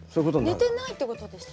寝てないってことですか？